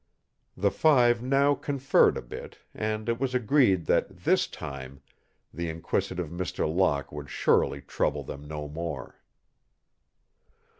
The five now conferred a bit and it was agreed that this time the inquisitive Mr. Locke would surely trouble them no more.